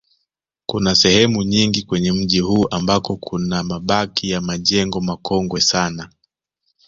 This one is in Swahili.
Kuna sehemu nyingi kwenye mji huu ambako kuna mabaki ya majengo makongwe sana